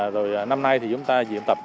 rồi năm nay thì chúng ta diễn tập